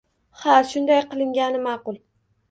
Ha, shunday qilgani ma`qul